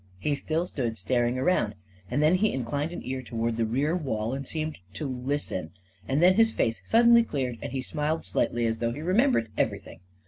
He still stood staring around, and then he inclined an ear toward the rear wall and seemed to listen; and then his face suddenly cleared, and he smiled slightly, as though he remembered everything.